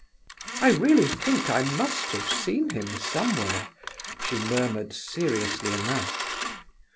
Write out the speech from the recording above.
"I really think I must have seen him somewhere!" she murmured seriously enough.